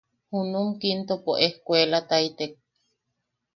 Junum Kintopo es- cuelataitek.